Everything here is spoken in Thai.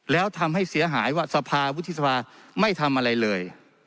แล้วทำให้เสียหายว่าสภาวุฒิสภาไม่ทำอะไรเลย